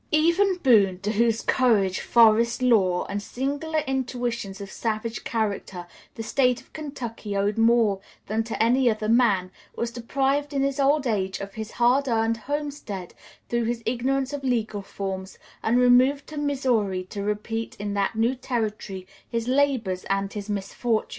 Even Boone, to whose courage, forest lore, and singular intuitions of savage character the State of Kentucky owed more than to any other man, was deprived in his old age of his hard earned homestead through his ignorance of legal forms, and removed to Missouri to repeat in that new territory his labors and his misfortunes.